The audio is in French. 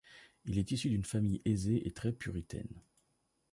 Il est issu d'une famille aisée et très puritaine.